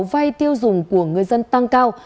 vay tiêu dùng của người dân tăng cao